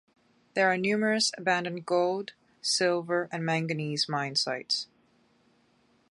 There are numerous abandoned gold, silver, and manganese mine sites.